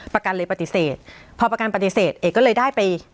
ประกันเลยปฏิเสธพอประกันปฏิเสธเอกก็เลยได้ไป